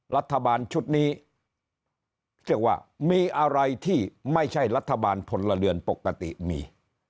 รัฐบาลชุดนี้เรียกว่ามีอะไรที่ไม่ใช่รัฐบาลพลเรือนปกติมี